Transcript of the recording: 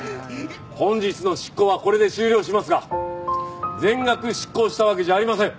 本日の執行はこれで終了しますが全額執行したわけじゃありません。